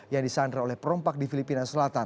yang disandra oleh perompak di filipina selatan